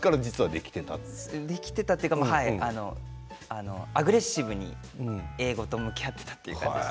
できてたというかはいあのアグレッシブに英語と向き合ってたっていう感じです。